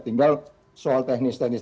tinggal soal teknis teknis